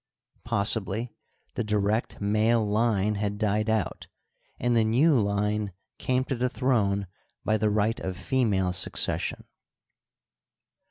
Possibly the direct male line had died out, and the new line came to the throne by the right of female succession.